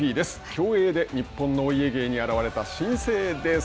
競泳で日本のお家芸に現れた新生です。